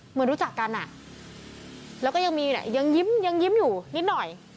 เหมือนรู้จักกันแล้วก็ยังยิ้มอยู่นิดหน่อย